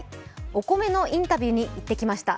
お米のインタビューに行ってきました。